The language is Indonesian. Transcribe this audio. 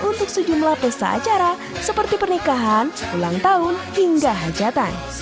untuk sejumlah pesta acara seperti pernikahan ulang tahun hingga hajatan